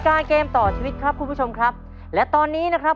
เกมต่อชีวิตครับคุณผู้ชมครับและตอนนี้นะครับ